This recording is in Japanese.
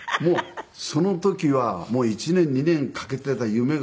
その時はもう１年２年かけていた夢が。